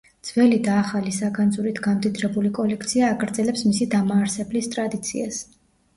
ძველი და ახალი საგანძურით გამდიდრებული კოლექცია აგრძელებს მისი დამაარსებლის ტრადიციას.